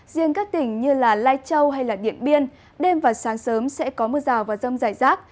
riêng các tỉnh như lai châu hay điện biên đêm và sáng sớm sẽ có mưa rào và rông dài rác